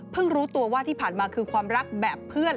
รู้ตัวว่าที่ผ่านมาคือความรักแบบเพื่อน